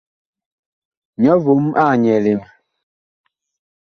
Nyɔ vom ag nyɛɛle ma.